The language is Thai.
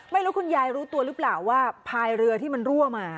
ไม่รู้คุณยายรู้ตัวหรือเปล่าว่าพายเรือที่มันรั่วมา